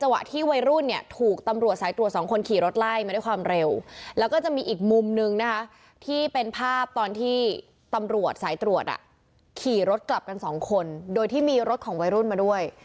วัยรุ่นขี่รถกลับกันสองคนโดยที่มีรถของวัยรุ่นมาด้วย